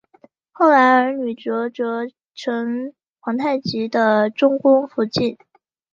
后来女儿哲哲成皇太极的中宫福晋。